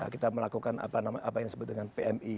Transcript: kita melakukan apa yang disebut dengan pmi